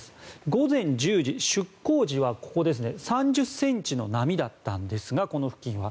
午前１０時出航時はここですね３０ｃｍの波だったんですがこの付近は。